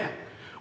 俺